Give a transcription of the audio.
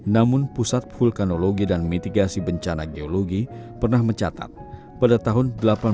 namun pusat vulkanologi dan mitigasi bencana geologi pernah mencatat pada tahun seribu delapan ratus sembilan puluh